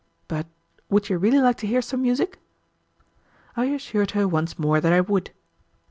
But would you really like to hear some music?" I assured her once more that I would.